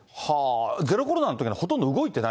ゼロコロナのときはほとんど動いてない？